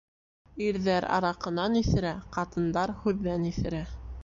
Ирҙәр араҡынан иҫерә, ҡатындар һүҙҙән иҫерә.